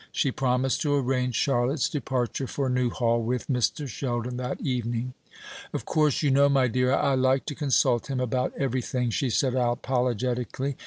She promised to arrange Charlotte's departure for Newhall, with Mr. Sheldon, that evening. "Of course, you know, my dear, I like to consult him about everything," she said, apologetically.